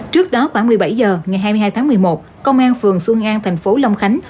trước đó khoảng một mươi bảy giờ ngày hai mươi hai tháng một mươi một công an phường xuân an tp long khánh